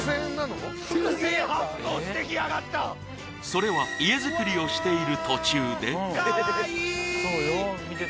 それは家づくりをしている途中でかわいい！